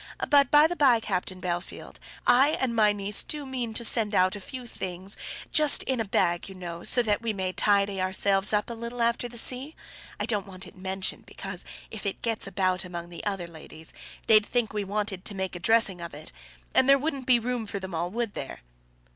But, by the by, Captain Bellfield, I and my niece do mean to send out a few things, just in a bag you know, so that we may tidy ourselves up a little after the sea. I don't want it mentioned, because if it gets about among the other ladies, they'd think we wanted to make a dressing of it; and there wouldn't be room for them all; would there?"